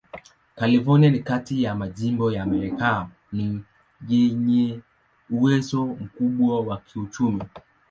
California ni kati ya majimbo ya Marekani yenye uwezo mkubwa wa kiuchumi.